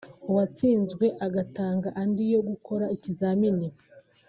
uwatsinzwe agatanga andi yo gukora ikizamini